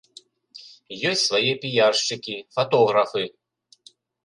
Ёсць свае піяршчыкі, фатографы.